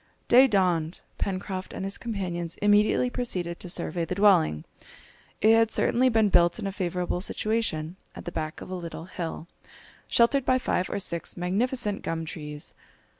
Day dawned; Pencroft and his companions immediately proceeded to survey the dwelling. It had certainly been built in a favourable situation, at the back of a little hill, sheltered by five or six magnificent gum trees.